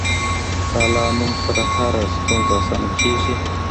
د الله نوم سره هره ستونزه اسانه کېږي.